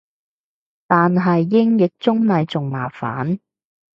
但係英譯中咪仲麻煩